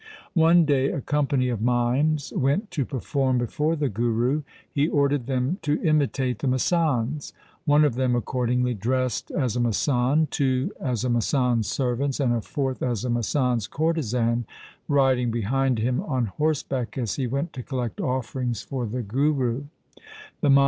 One day a company of mimes went to perform before the Guru. He ordered them to imitate the masands. One of them accordingly dressed as a masand, two as a masand' s servants, and a fourth as a masand's courtesan riding behind him on horse back as he went to collect offerings for the Guru.